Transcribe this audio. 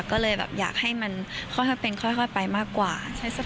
ก็เลยแบบอยากให้มันค่อยเป็นค่อยไปมากกว่า